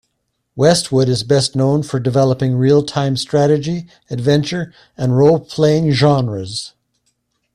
Westwood is best known for developing real-time strategy, adventure and role-playing genres.